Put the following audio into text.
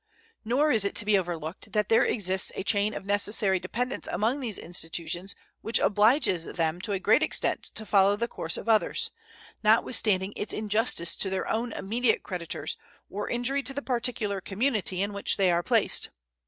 Nor is it to be overlooked that there exists a chain of necessary dependence among these institutions which obliges them to a great extent to follow the course of others, notwithstanding its injustice to their own immediate creditors or injury to the particular community in which they are placed.